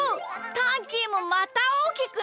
タンキーもまたおおきくなった。